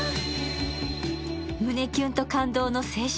胸キュンと感動の青春